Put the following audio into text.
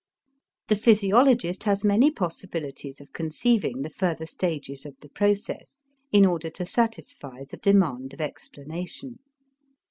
The physiologist has many possibilities of conceiving the further stages of the process, in order to satisfy the demand of explanation.